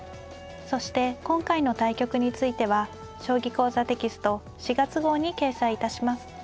そして今回の対局については「将棋講座」テキスト４月号に掲載致します。